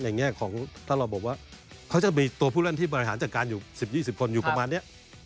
แง่ของถ้าเราบอกว่าเขาจะมีตัวผู้เล่นที่บริหารจัดการอยู่๑๐๒๐คนอยู่ประมาณนี้